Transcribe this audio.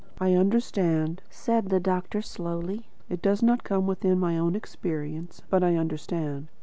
"I understand," said the doctor slowly. "It does not come within my own experience, but I understand.